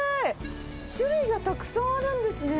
種類がたくさんあるんですね。